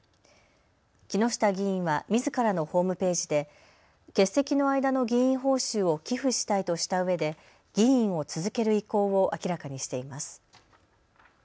木下議員はみずからのホームページで欠席の間の議員報酬を寄付したいとしたうえで議員を続ける意向を明らかにしています。